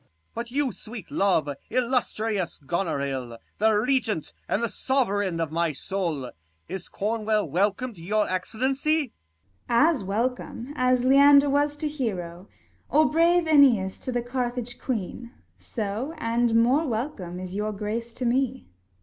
Corn. But you, sweet love, illustrious Gonorill, The regent, and the sovereign of my soul, Is Cornwall welcome to your excellency ? Gon. As welcome, as Leander was to Hero, 65 Or brave Aeneas to the Carthage queen : So and more welcome is your grace to me.